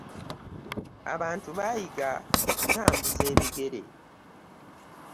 Abantu baayiga okutambuza ebigere.